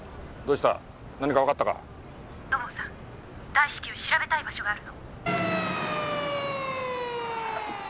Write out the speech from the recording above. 大至急調べたい場所があるの」